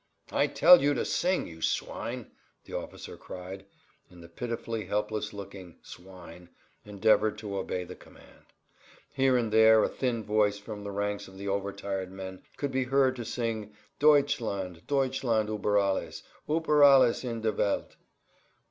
"I tell you to sing, you swine!" the officer cried, and the pitifully helpless looking "swine" endeavored to obey the command. Here and there a thin voice from the ranks of the overtired men could be heard to sing, "Deutschland, Deutschland über alles, über alles in der Welt."